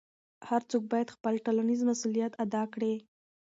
هر څوک باید خپل ټولنیز مسؤلیت ادا کړي.